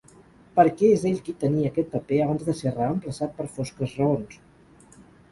Perquè és ell qui tenia aquest paper abans de ser reemplaçat per fosques raons.